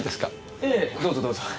ええどうぞどうぞ。